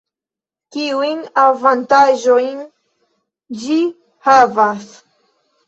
Kiujn avantaĝojn ĝi havas?